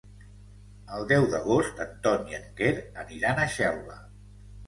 El deu d'agost en Ton i en Quer aniran a Xelva.